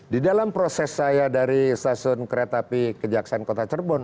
di dalam proses saya dari stasiun kereta api kejaksaan kota cerbon